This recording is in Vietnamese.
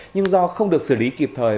nhưng do không được xử lý kịp thời